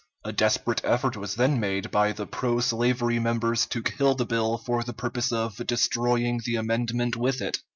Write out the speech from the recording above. A desperate effort was then made by the pro slavery members to kill the bill for the purpose of destroying the amendment with it.